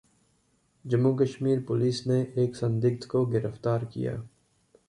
Jammu-Kashmir police ने एक संदिग्ध को गिरफ्तार किया